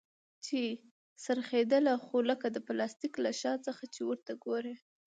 چې څرخېدله خو لکه د پلاستيک له شا څخه چې ورته وگورې.